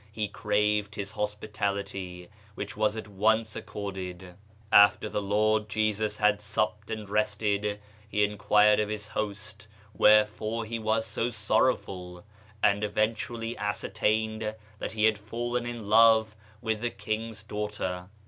He craved his hospitality, which was at once accorded. After the Lord Jesus had supped and rested. He enquired of His host wherefore he was so sorrowful, and eventually ascertained that he had fallen in love with the king's daughter.